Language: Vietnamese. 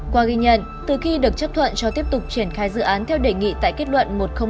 qua ghi nhận từ khi được chấp thuận cho tiếp tục triển khai dự án theo đề nghị tại kết luận một nghìn ba mươi ba